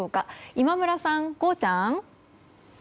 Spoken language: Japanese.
今村さん、ゴーちゃん。！